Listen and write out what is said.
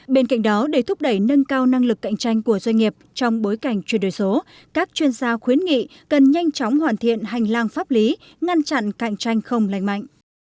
bên cạnh đó để thúc đẩy nâng cao năng lực cạnh tranh của doanh nghiệp trong bối cảnh chuyển đổi số các chuyên gia khuyến nghị cần nhanh chóng hoàn thiện hành lang pháp lý ngăn chặn cạnh tranh không lành mạnh